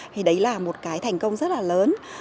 thì đấy là một cái thành công rất là lớn